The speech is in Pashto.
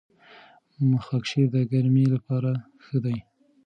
خاکشیر د ګرمۍ لپاره ښه دی.